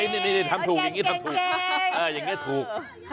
มันเก่งจริงเลยลูก